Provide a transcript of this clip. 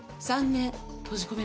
３年⁉